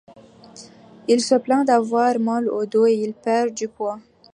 Il se plaint d'avoir mal au dos et il perd du poids.